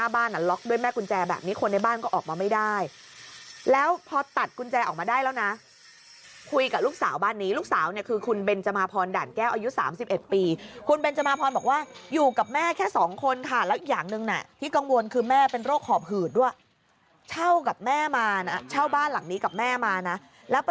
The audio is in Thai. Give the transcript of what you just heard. บ้านอ่ะล็อกด้วยแม่กุญแจแบบนี้คนในบ้านก็ออกมาไม่ได้แล้วพอตัดกุญแจออกมาได้แล้วนะคุยกับลูกสาวบ้านนี้ลูกสาวเนี่ยคือคุณเบนจมาพรด่านแก้วอายุ๓๑ปีคุณเบนจมาพรบอกว่าอยู่กับแม่แค่สองคนค่ะแล้วอีกอย่างหนึ่งน่ะที่กังวลคือแม่เป็นโรคหอบหืดด้วยเช่ากับแม่มานะเช่าบ้านหลังนี้กับแม่มานะแล้วป